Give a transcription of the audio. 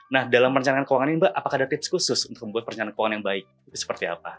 nah dalam perencanaan keuangan ini mbak apakah ada tips khusus untuk membuat perencanaan keuangan yang baik itu seperti apa